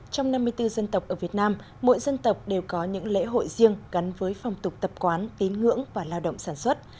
trong năm mươi bốn dân tộc ở việt nam mỗi dân tộc đều có những lễ hội riêng gắn với phòng tục tập quán tín ngưỡng và lao động sản xuất